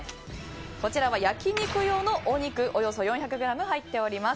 こちらは焼き肉用のお肉およそ４００ｇ入っております。